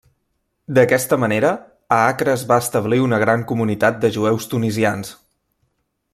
D'aquesta manera, a Acre es va establir una gran comunitat de jueus tunisians.